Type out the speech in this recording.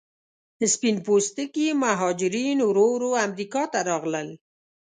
سپین پوستکي مهاجرین ورو ورو امریکا ته راغلل.